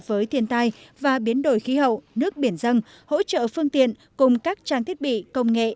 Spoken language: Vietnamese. với thiên tai và biến đổi khí hậu nước biển dân hỗ trợ phương tiện cùng các trang thiết bị công nghệ